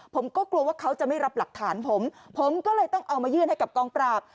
ผมก็กลัวว่าเขาจะไม่รับหลักฐานผมผมก็เลยต้องเอามายื่นให้กับกองปราบ